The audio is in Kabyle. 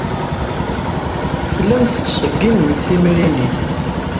Tellamt tettṣeggimemt timrinin.